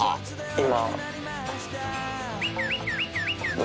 今。